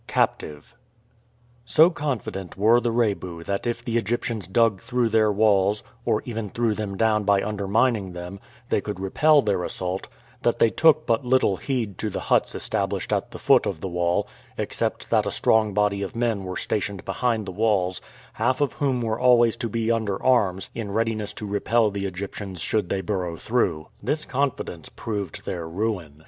CAPTIVE. So confident were the Rebu that if the Egyptians dug through their walls, or even threw them down by undermining them, they could repel their assault, that they took but little heed to the huts established at the foot of the wall, except that a strong body of men were stationed behind the walls, half of whom were always to be under arms in readiness to repel the Egyptians should they burrow through. This confidence proved their ruin.